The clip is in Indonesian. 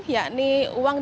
yakni uang jualan